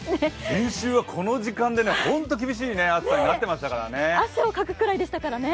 先週はこの時間でホント厳しい暑さになってましたからね。